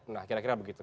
nah kira kira begitu